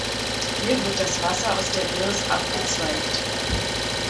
Hier wird das Wasser aus der Birs abgezweigt.